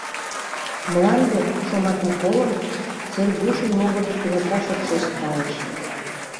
«Мланде» шомакым колын, Сергушын могыржо кенета шокшешт кайыш.